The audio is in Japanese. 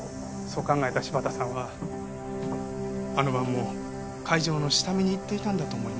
そう考えた柴田さんはあの晩も会場の下見に行っていたんだと思います。